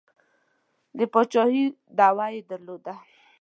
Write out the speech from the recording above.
د پاچهي دعوه یې درلوده.